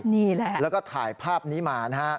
นี่แหละแล้วก็ถ่ายภาพนี้มานะฮะ